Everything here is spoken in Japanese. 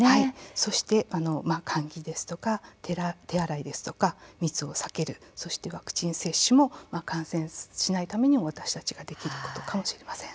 そして、換気ですとか手洗いですとか密を避けるそしてワクチン接種も感染しないために、私たちができることかもしれません。